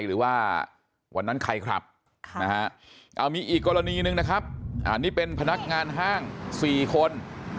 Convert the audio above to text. หรือว่าวันนั้นใครขับมีอีกกรณีหนึ่งนะครับอันนี้เป็นพนักงานห้าง๔คน